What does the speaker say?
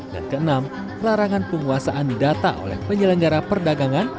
dan keenam larangan penguasaan data oleh penyelenggara perdagangan